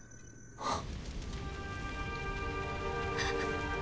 あ！っ！